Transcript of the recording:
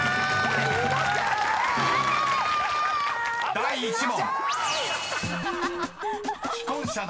［第１問］